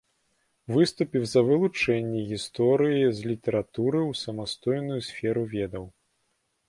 Выступіў за вылучэнне гісторыі з літаратуры ў самастойную сферу ведаў.